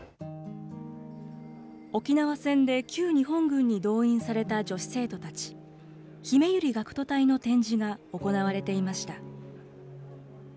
沖縄戦で旧日本軍に動員された女子生徒たち、ひめゆり学徒隊の展示が行われていました。